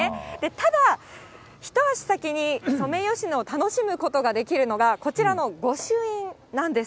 ただ一足先にソメイヨシノを楽しむことができるのが、こちらの御朱印なんです。